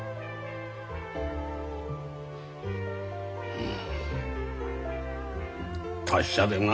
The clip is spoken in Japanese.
うん達者でな。